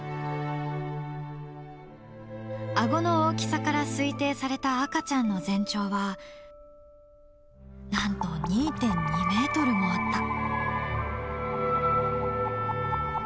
あごの大きさから推定された赤ちゃんの全長はなんと２．２ｍもあった。